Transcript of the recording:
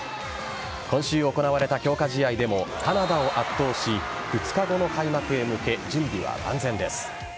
今週行われた強化試合でもカナダを圧倒し２日後の開幕へ向け準備は万全です。